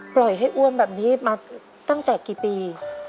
ปล่อยให้อ้วนแบบนี้มาตั้งแต่กี่ปี